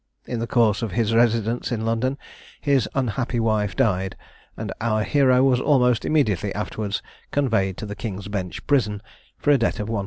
In the course of his residence in London, his unhappy wife died, and our hero was almost immediately afterwards conveyed to the King's Bench Prison for a debt of 160_l.